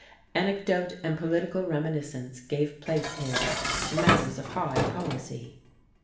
Anecdote and political reminiscence gave place here to matters of high policy.